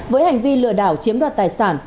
với hành vi lừa đảo chiếm đoạt tài sản